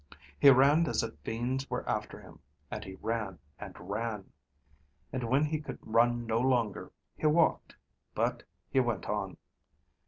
He ran as if fiends were after him, and he ran and ran. And when he could run no longer, he walked, but he went on.